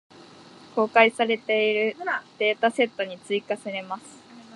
公開されているデータセットに追加せれます。